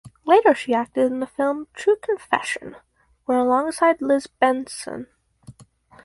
Later she acted in the film "True Confession" where alongside Liz Benson.